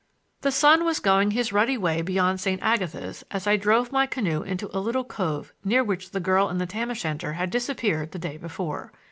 The sun was going his ruddy way beyond St. Agatha's as I drove my canoe into a little cove near which the girl in the tam o' shanter had disappeared the day before.